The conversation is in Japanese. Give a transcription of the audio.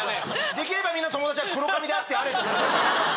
できればみんな友達は黒髪であってあれと思いながら。